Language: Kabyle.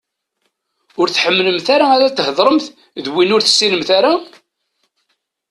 Ur tḥemmlemt ara ad theḍṛemt d wid ur tessinemt ara?